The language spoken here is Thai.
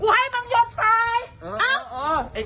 เอ้ยเอาดิมึงฝาดปลัวกูฝาดต่อเอ้ย